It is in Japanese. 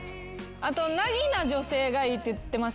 あと凪な女性がいいって言ってましたけど